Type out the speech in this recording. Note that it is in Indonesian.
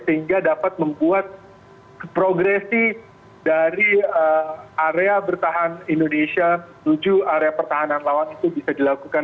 sehingga dapat membuat progresi dari area bertahan indonesia menuju area pertahanan lawan itu bisa dilakukan